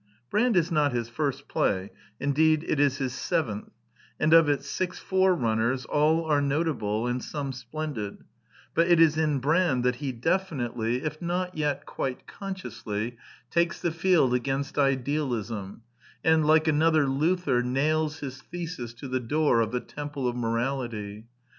Brand is not his first play: indeed it is his seventh; and of its six forerunners all are notable and some splendid; but it is in Brand that he definitely, if The Plays 5 1 not yet quite consciously, takes the field against idealism and, like another Luther, nails his thesis to the door of the Temple of Morality.